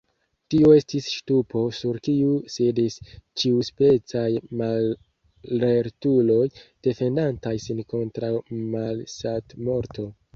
Tio estis ŝtupo, sur kiu sidis ĉiuspecaj mallertuloj, defendantaj sin kontraŭ malsatmorto.